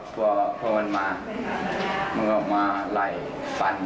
พอมันมามันออกมาแหล่ฟัน